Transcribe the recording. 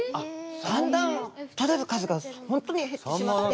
だんだんとれる数が本当に減ってしまって。